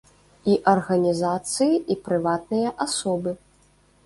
І арганізацыі, і прыватныя асобы.